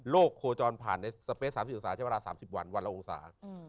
โคจรผ่านในสเปส๓๐องศาใช้เวลา๓๐วันวันละองศา